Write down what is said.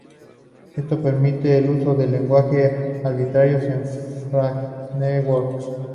Esto permite el uso de lenguajes arbitrarios y frameworks.